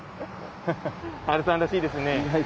ハルさんらしいですね。